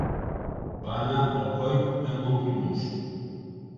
Va anar a Alcoi amb autobús.